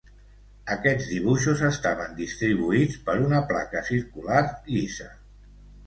Aquests dibuixos estaven distribuïts per una placa circular llisa.